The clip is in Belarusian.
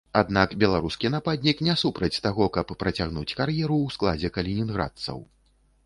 Аднак беларускі нападнік не супраць таго, каб працягнуць кар'еру ў складзе калінінградцаў.